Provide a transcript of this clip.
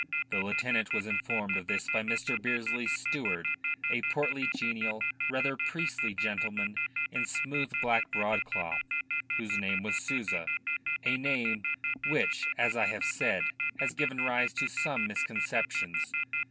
The lieutenant was informed of this by Mr. Bearsley's steward, a portly, genial, rather priestly gentleman in smooth black broadcloth, whose name was Souza a name which, as I have said, has given rise to some misconceptions.